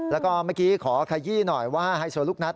แล้วก็เมื่อกี้ขอขยี้หน่อยว่าไฮโซลูกนัด